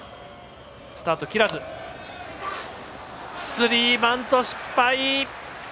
スリーバント、失敗。